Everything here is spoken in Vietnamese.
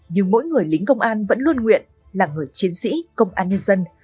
nhưng mỗi người lính công an vẫn luôn nguyện là người chiến sĩ công an nhân dân